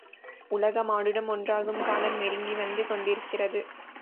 உலக மானுடம் ஒன்றாகும் காலம் நெருங்கி வந்து கொண்டிருக்கிறது.